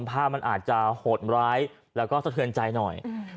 ภาพมันอาจจะโหดร้ายแล้วก็สะเทือนใจหน่อย